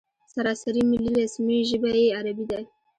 سراسري ملي رسمي ژبه یې عربي ده.